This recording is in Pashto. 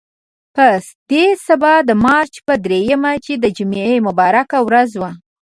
په دې سبا د مارچ په درېیمه چې د جمعې مبارکه ورځ وه.